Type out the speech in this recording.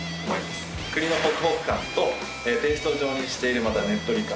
栗のホクホク感とペースト状にしているねっとり感